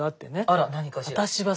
あら何かしら。